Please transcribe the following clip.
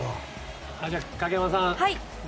じゃあ影山さん。